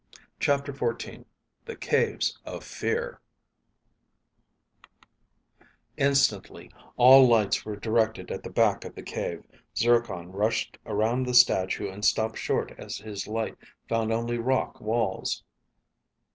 CHAPTER XIV The Caves of Fear Instantly all lights were directed at the back of the cave. Zircon rushed around the statue and stopped short as his light found only rock walls.